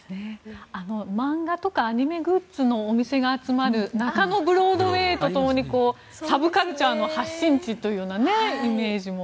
漫画とかアニメグッズのお店が集まる中野ブロードウェイとともにサブカルチャーの発信地というイメージも。